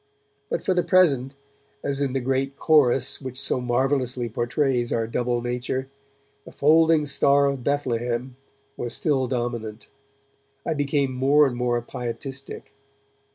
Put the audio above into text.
But for the present, as in the great chorus which so marvellously portrays our double nature, 'the folding star of Bethlehem' was still dominant. I became more and more pietistic.